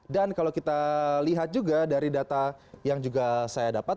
dan kalau kita lihat juga dari data yang juga saya dapat